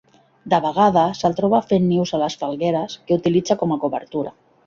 De vegades se'l troba fent nius a les falgueres, que utilitza com a cobertura.